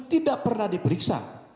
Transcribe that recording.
tidak pernah diperiksa